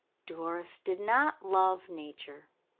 Doris did not love nature.